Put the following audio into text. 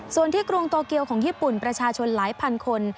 ส่วนที่กรุงโตเกียวของญี่ปุ่นประชาชนหลายพันคน